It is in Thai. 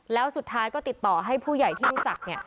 แล้วสุดท้ายก็ติดต่อให้ผู้ใหญ่ที่รู้จัก